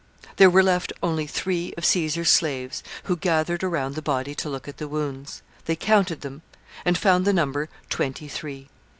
There were left only three of Caesar's slaves, who gathered around the body to look at the wounds. They counted them, and found the number twenty three.